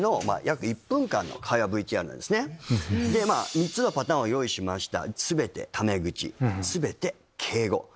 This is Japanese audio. ３つのパターンを用意しました。